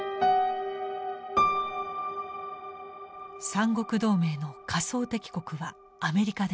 三国同盟の仮想敵国はアメリカでした。